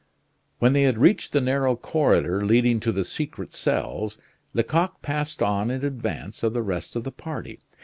When they had reached the narrow corridor leading to the secret cells, Lecoq passed on in advance of the rest of the party.